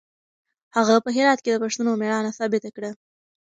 هغه په هرات کې د پښتنو مېړانه ثابته کړه.